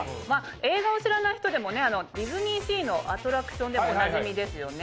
映像を知らない人でもディズニーシーのアトラクションでもおなじみですよね